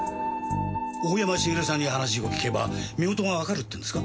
大山茂さんに話を聞けば身元がわかるっていうんですか？